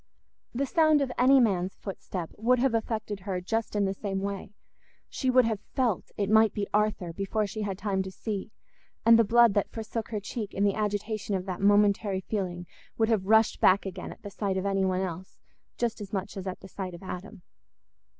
The sound of any man's footstep would have affected her just in the same way—she would have felt it might be Arthur before she had time to see, and the blood that forsook her cheek in the agitation of that momentary feeling would have rushed back again at the sight of any one else just as much as at the sight of Adam.